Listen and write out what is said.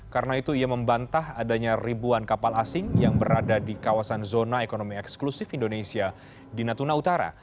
karena itu ia membantah adanya ribuan kapal asing yang berada di kawasan zona ekonomi eksklusif indonesia di natuna utara